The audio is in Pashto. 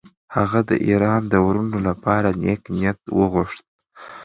هغه د ایران د وروڼو لپاره نېک نیت وغوښت.